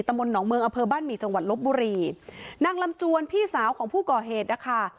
มนตหนองเมืองอำเภอบ้านหมี่จังหวัดลบบุรีนางลำจวนพี่สาวของผู้ก่อเหตุนะคะ